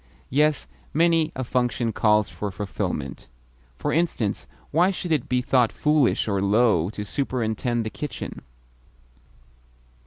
Yes, many a function calls for fulfilment. For instance, why should it be thought foolish or low to superintend the kitchen?